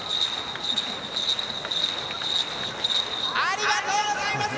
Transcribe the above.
ありがとうございます！